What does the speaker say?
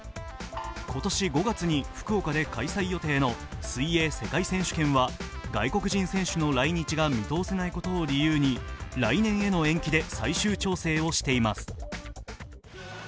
今年５月に福岡で開催予定の水泳世界選手権は外国人選手の来日が見通せないことを理由に来年への延期で最終調整をしています。